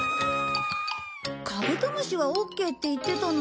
カブトムシはオッケーって言ってたのに。